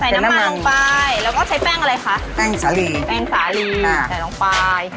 น้ำมันลงไปแล้วก็ใช้แป้งอะไรคะแป้งสาลีแป้งสาลีใส่ลงไป